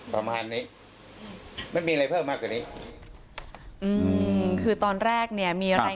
ประมาณนี้ไม่มีอะไรเพิ่มมากกว่านี้อืมคือตอนแรกเนี่ยมีอะไร